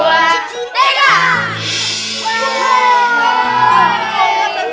wah ini keren banget